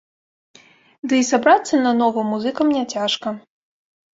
Ды і сабрацца нанова музыкам не цяжка!